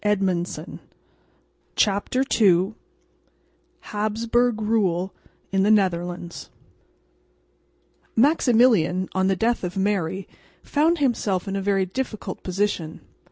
CHAPTER II HABSBURG RULE IN THE NETHERLANDS Maximilian, on the death of Mary, found himself in a very difficult position.